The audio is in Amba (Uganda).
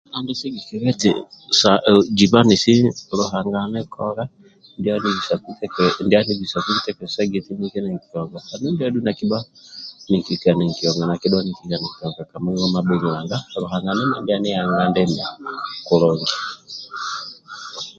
Andi sigikilia eti sa jiba nsi Luhanga anikola ndia anibisaku bitekelezo sa gia eti nilike ninki onga ka mulima mabhonga andulu ndia adhu nakibha ninkilika ninkilika ninki onga ka mulima mabhinjo nanga Luhanga ani anga ndimi